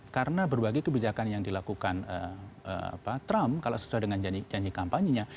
karena berbagai kebijakan yang dilakukan trump kalau sesuai dengan janji kampanye nya